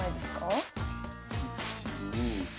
１２。